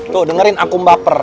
tuh dengerin aku mbaper